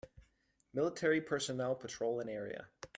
Military personnel patrol an area